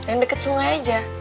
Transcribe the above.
yang deket sungai aja